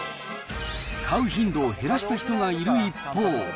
買う頻度を減らした人がいる一方。